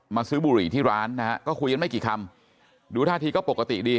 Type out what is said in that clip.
ซื้อบุหรี่ที่ร้านนะฮะก็คุยกันไม่กี่คำดูท่าทีก็ปกติดี